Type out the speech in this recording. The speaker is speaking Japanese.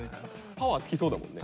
パワーつきそうだもんね。